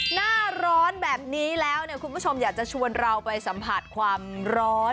หน้าร้อนแบบนี้แล้วเนี่ยคุณผู้ชมอยากจะชวนเราไปสัมผัสความร้อน